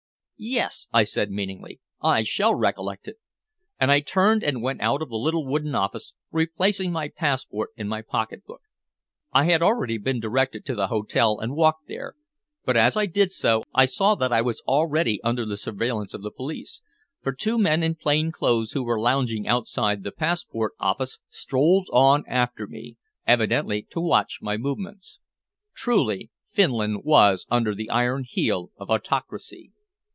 "Yes," I said meaningly, "I shall recollect it." And I turned and went out of the little wooden office, replacing my passport in my pocket book. I had already been directed to the hotel, and walked there, but as I did so I saw that I was already under the surveillance of the police, for two men in plain clothes who were lounging outside the passport office strolled on after me, evidently to watch my movements. Truly Finland was under the iron heel of autocracy.